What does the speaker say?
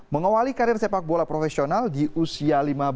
mengawali karir sepak bola profesional di usia lima belas